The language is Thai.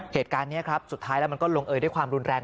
เหตุการณ์นี้ครับสุดท้ายแล้วมันก็ลงเอยด้วยความรุนแรง